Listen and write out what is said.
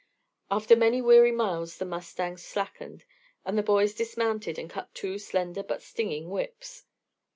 After many weary miles the mustangs slackened, and the boys dismounted and cut two slender but stinging whips.